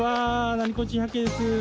『ナニコレ珍百景』です。